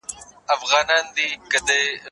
زه به سبا مېوې وچوم!؟